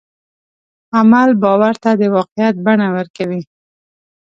عمل باور ته د واقعیت بڼه ورکوي.